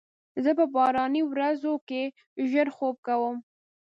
زه په باراني ورځو کې ژر خوب کوم.